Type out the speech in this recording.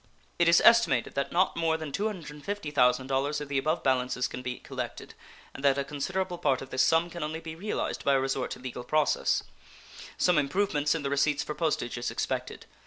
It is estimated that not more than $250,000 of the above balances can be collected, and that a considerable part of this sum can only be realized by a resort to legal process. Some improvements in the receipts for postage is expected.